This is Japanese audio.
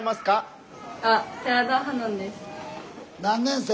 何年生？